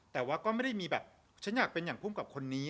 แต่ว่าก็ไม่ได้มีแบบฉันอยากเป็นอย่างภูมิกับคนนี้